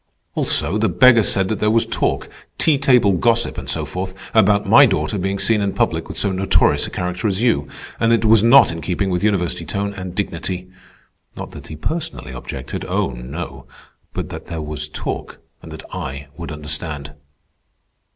"Also, the beggar said that there was talk, tea table gossip and so forth, about my daughter being seen in public with so notorious a character as you, and that it was not in keeping with university tone and dignity. Not that he personally objected—oh, no; but that there was talk and that I would understand."